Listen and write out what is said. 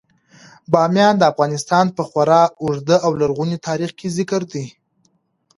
بامیان د افغانستان په خورا اوږده او لرغوني تاریخ کې ذکر دی.